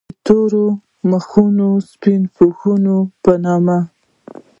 د “ تور مخونه سپين پوښونه ” پۀ نوم